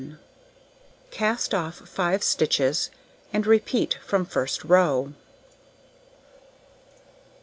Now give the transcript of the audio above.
Cast off 5 stitches, and repeat from first row.